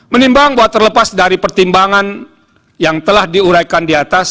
menimbang bahwa terlepas dari pertimbangan yang telah diuraikan di atas